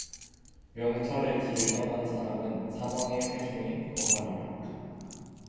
명철의 길을 떠난 사람은 사망의 회중에 거하리라